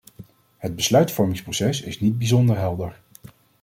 Het besluitvormingsproces is niet bijzonder helder.